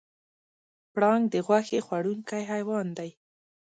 پړانګ د غوښې خوړونکی حیوان دی.